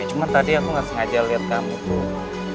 cuma tadi aku gak sengaja liat kamu tuh